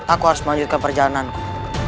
aku harus menuju ke perjalananku